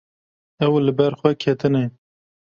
Ew li ber xwe ketine.